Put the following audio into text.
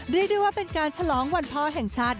เรียกได้ว่าเป็นการฉลองวันพ่อแห่งชาติ